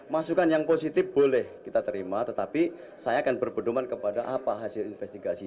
masukan yang positif boleh kita terima tetapi saya akan berpedoman kepada apa hasil investigasi